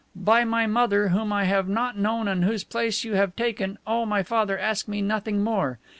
By my mother, whom I have not known and whose place you have taken, oh, my father, ask me nothing more!